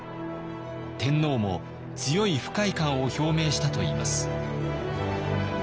天皇も強い不快感を表明したといいます。